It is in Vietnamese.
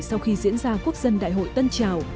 sau khi diễn ra quốc dân đại hội tân trào